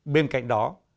bên cạnh đó